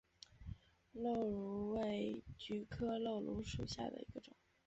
漏芦为菊科漏芦属下的一个种。